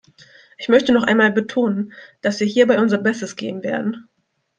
Ich möchte noch einmal betonen, dass wir hierbei unser Bestes geben werden.